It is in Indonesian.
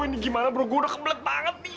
ini gimana bro gue udah kebelet banget nih